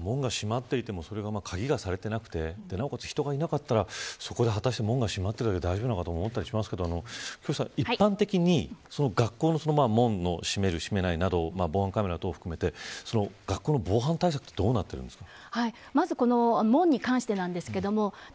門が閉まっていても鍵がされてなくてなおかつ人がいなかったら門が閉まっていなかったら大丈夫なのかと思いますが一般的に学校の門を閉める、閉めない防犯カメラも含めて学校の防犯対策はどうなっているんですか。